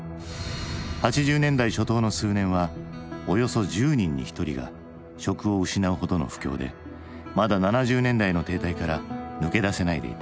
８０年代初頭の数年はおよそ１０人に１人が職を失うほどの不況でまだ７０年代の停滞から抜け出せないでいた。